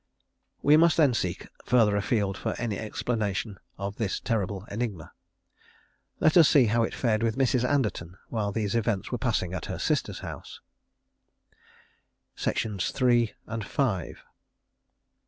_ We must then seek further afield for any explanation of this terrible enigma. Let us see how it fared with Mrs. Anderton while these events were passing at her sister's house.